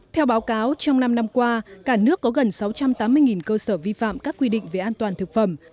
theo báo cáo trong năm năm qua cả nước có gần sáu trăm tám mươi cơ sở vi phạm các quy định về an toàn thực phẩm